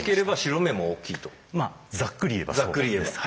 まあざっくり言えばそうです。